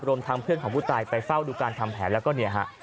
รวมทางเพื่อนของผู้ตายไปเฝ้าดูการทำแผนแล้วก็เนี่ยฮะ